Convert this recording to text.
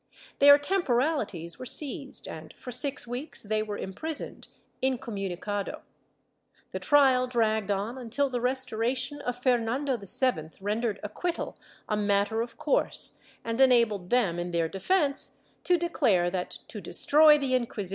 Their temporalities were seized and for six weeks they were imprisoned, incomunicado. The trial dragged on until the restoration of Fernando VII rendered acquittal a matter of course and enabled them, in their defence, to declare that to destroy the Inquisition ^ Memoria interesante, Append.